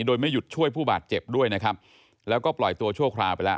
โดยไม่หยุดช่วยผู้บาดเจ็บด้วยนะครับแล้วก็ปล่อยตัวชั่วคราวไปแล้ว